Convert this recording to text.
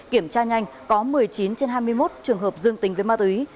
kiểm tra nhanh có một mươi chín trên hai mươi một trường hợp dương tình với ma túy